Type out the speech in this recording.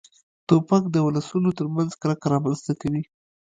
توپک د ولسونو تر منځ کرکه رامنځته کوي.